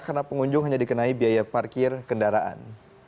karena pengunjung hanya dikenai biaya parkir kendaraan